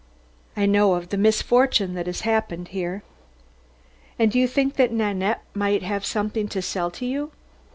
"I know of the misfortune that has happened here." "And you think that Nanette might have something to sell to you?"